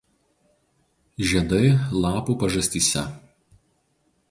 Žiedai lapų pažastyse.